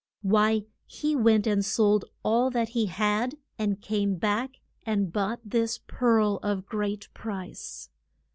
Why, he went and sold all that he had, and came back and bought this pearl of great price.